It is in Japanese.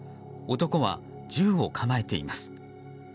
男は銃を構えています。